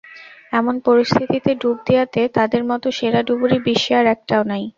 এমন পরিস্থিতিতে ডুব দেয়াতে তাদের মতো সেরা ডুবুরি বিশ্বে আর একটাও নেই।